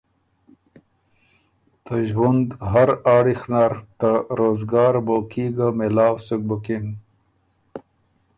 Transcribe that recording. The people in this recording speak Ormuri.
ته ݫوُند هر آړِخ نر ته روزګار موقعي ګۀ مېلاؤ سُک بُکِن۔